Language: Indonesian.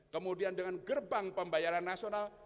kemudian dengan gerbang pembayaran nasional